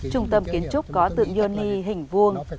trung tâm kiến trúc có tượng yoni hình vuông